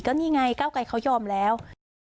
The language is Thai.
ก็นี่ไงเก้าไกรเขายอมแล้ว